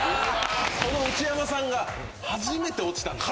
その内山さんが初めて落ちた。